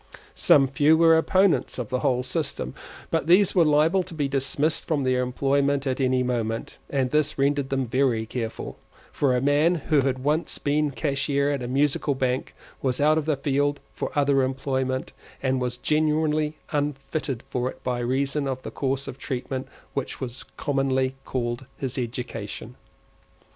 Some few were opponents of the whole system; but these were liable to be dismissed from their employment at any moment, and this rendered them very careful, for a man who had once been cashier at a Musical Bank was out of the field for other employment, and was generally unfitted for it by reason of that course of treatment which was commonly called his education.